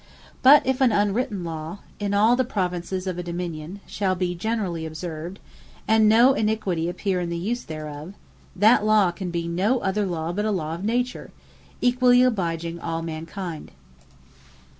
But if an unwritten Law, in all the Provinces of a Dominion, shall be generally observed, and no iniquity appear in the use thereof; that law can be no other but a Law of Nature, equally obliging all man kind.